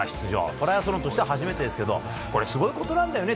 トライアスロンとしては初めてですけどすごいことなんだよね。